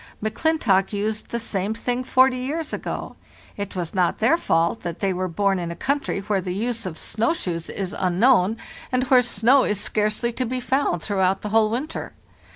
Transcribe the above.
M'Clintock used the same thing forty years ago. It was not their fault that they were born in a country where the use of snow shoes is unknown, and where snow is scarcely to be found throughout the whole winter.